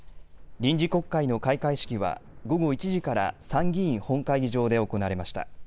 臨時国会の開会式は午後１時から参議院本会議場で行われました。